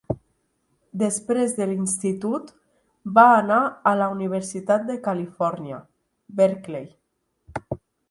Després de l'Institut, va anar a la Universitat de California, Berkeley.